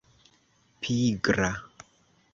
pigra